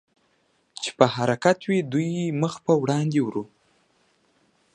چې په حرکت وې، دوی مخ په وړاندې ورو.